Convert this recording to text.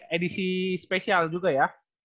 edisi spesial juga ya